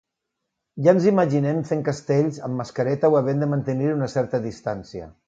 Ja ens imaginem fent castells amb mascareta o havent de mantenir una certa distància.